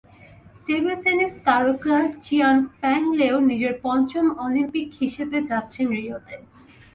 Table tennis তারকা চিয়ান ফ্যাং লেও নিজের পঞ্চম অলিম্পিক হিসেবে যাচ্ছেন রিওতে।